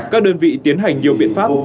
các đơn vị tiến hành nhiều biện pháp